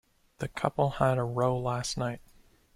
The couple had a row last night.